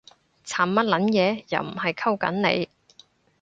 慘乜撚嘢？，又唔係溝緊你